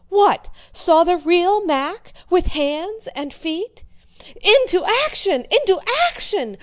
"What? Saw the real Mack? With hands and feet?" "Into action! Into action!